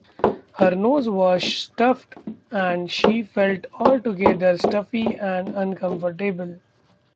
Her nose was stuffed, and she felt altogether stuffy and uncomfortable.